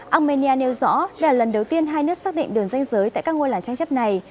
armenia nêu rõ đây là lần đầu tiên hai nước xác định đường danh giới tại các ngôi làng tranh chấp này